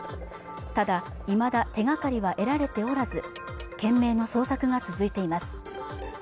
ただいまだ手がかりは得られておらず懸命の捜索が続いています